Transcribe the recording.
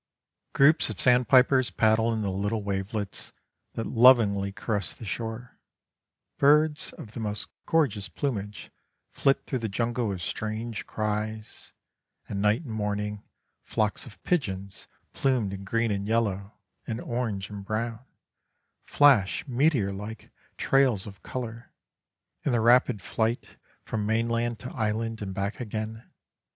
Groups of sandpipers paddle in the little wavelets that lovingly caress the shore; birds of the most gorgeous plumage flit through the jungle with strange cries; and, night and morning, flocks of pigeons, plumed in green and yellow, in orange and brown, flash meteor like trails of colour, in their rapid flight from mainland to island and back again.